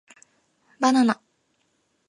Banana